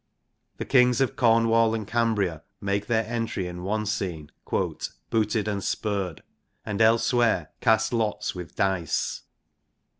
The Kings of Cornwall and Cambria make their entry in one scene, * booted and spurred,' and elsewhere cast lots with dice.